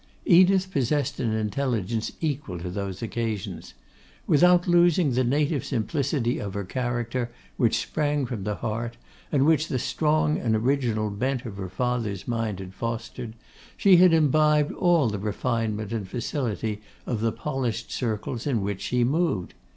Edith possessed an intelligence equal to those occasions. Without losing the native simplicity of her character, which sprang from the heart, and which the strong and original bent of her father's mind had fostered, she had imbibed all the refinement and facility of the polished circles in which she moved.